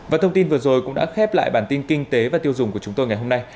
và thông tin vừa rồi cũng đã khép lại bản tin kinh tế và tiêu dùng của chúng tôi ngày hôm nay